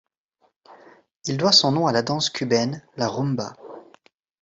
Il doit son nom à la danse cubaine, la rumba.